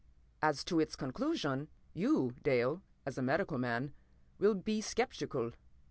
"As to its conclusion, you, Dale, as a medical man, will be sceptical.